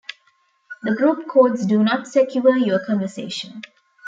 The group codes do not secure your conversation.